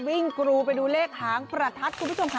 วิ่งกรูไปดูเลขหางประทัด